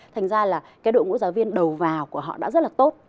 thành ra là cái đội ngũ giáo viên đầu vào của họ đã rất là tốt